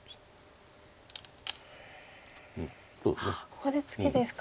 ここでツケですか。